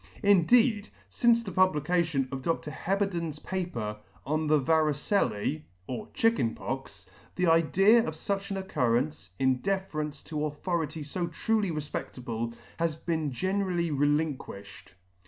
In deed, fince the publication of Dr. Heberden's paper on the Varicellce, or Chicken Pox, the idea of fuch an occurrence, in deference to authority fo truly refpedtable, has been generally relinquished.